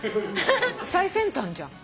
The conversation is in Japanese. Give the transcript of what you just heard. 最先端じゃん。